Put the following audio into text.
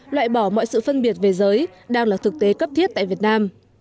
loại bỏ mọi sự phân biệt về giới đang là thực tế cấp thiết tại việt nam